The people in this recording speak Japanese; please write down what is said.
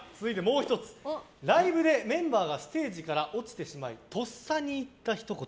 ライブでメンバーがステージから落ちてしまいとっさに言ったひと言。